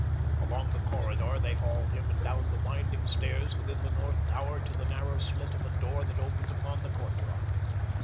Along the corridor they hauled him and down the winding stairs within the north tower to the narrow slit of a door that opened upon the courtyard.